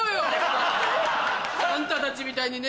あんたたちみたいにね